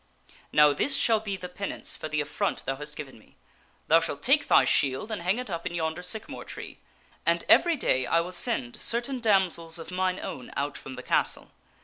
Now, this shall be the penance for the affront thou hast given me , thou shalt take thy shield and hang it up in yonder sycamore tree and every day I will send certain damsels of mine own out from the castle.